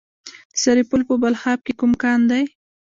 د سرپل په بلخاب کې کوم کان دی؟